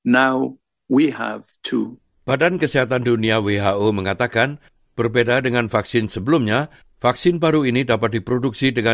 saya mengharapkan hari ini ketika kita akan memiliki vaksin yang aman dan efektif terhadap malaria